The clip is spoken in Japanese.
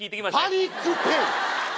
パニックペイ！